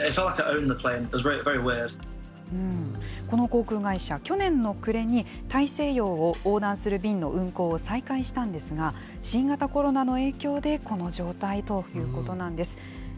この航空会社、去年の暮れに、大西洋を横断する便の運航を再開したんですが、新型コロナの影響で、この状態ということなんです。